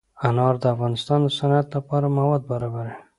انار د افغانستان د صنعت لپاره مواد برابروي.